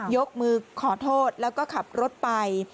ยกมือขอโทษแล้วก็ขับรถไป